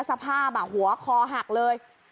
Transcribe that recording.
สภาพหัวคอหักเลย